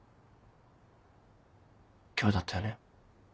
今日だったよね。